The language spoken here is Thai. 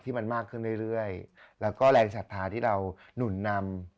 มันมากขึ้นเรื่อยแล้วก็แรงศรัทธาที่เราหนุนนำ